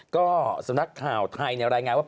ก็สำนักข่าวไทยรายงานว่า